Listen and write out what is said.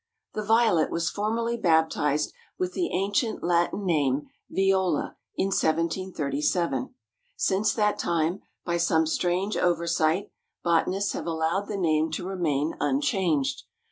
The Violet was formally baptized with the ancient Latin name Viola in 1737. Since that time, by some strange oversight, botanists have allowed the name to remain unchanged.